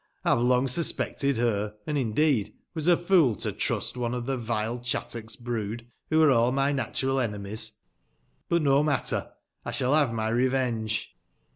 I have long suspected her, and, indeed, was a f ool to tmst one of the vile Chattox brood, who are aU mj natural enemies — ^but no matter, I shall have mj revenge."